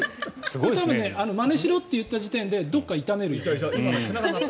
まねしろって言った時点でどこか痛めるよね。